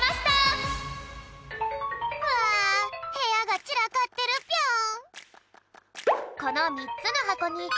うわへやがちらかってるぴょん。